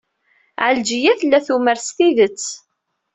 Ɛelǧiya tella tumar s tidet.